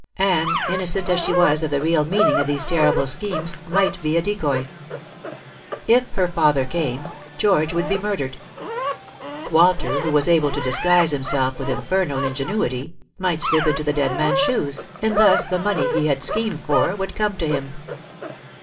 Anne, innocent as she was of the real meaning of these terrible schemes, might be a decoy. If her father came, George would be murdered. Walter, who was able to disguise himself with infernal ingenuity, might slip into the dead man's shoes, and thus the money he had schemed for would come to him.